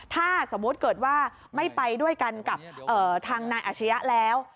ถ้าสมมุติเกิดว่าไม่ไปด้วยกันกับทางนายอาชญะแล้ว